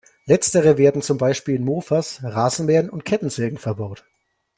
Letztere werden zum Beispiel in Mofas, Rasenmähern und Kettensägen verbaut.